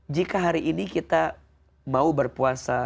jika hari ini kita mau berpuasa